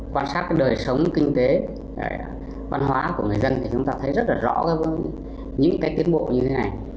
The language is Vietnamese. quan sát cái đời sống kinh tế văn hóa của người dân thì chúng ta thấy rất là rõ những cái tiến bộ như thế này